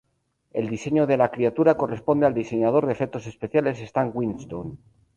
El diseño de la criatura corresponde al diseñador de efectos especiales Stan Winston.